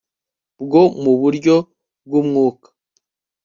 bwo mu buryo bw umwuka